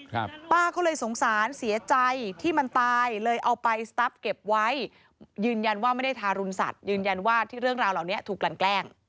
ป้าก็เลยสงสารเสียใจที่มันตายเลยเอาไปสตั๊บเก็บไว้ยืนยันว่าไม่ได้ทารุณสัตว์ยืนยันว่าที่เรื่องราวเหล่านี้ถูกกลั่นแกล้ง